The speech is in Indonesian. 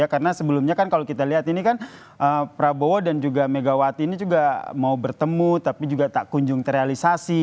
karena sebelumnya kan kalau kita lihat ini kan prabowo dan juga megawati ini juga mau bertemu tapi juga tak kunjung terrealisasi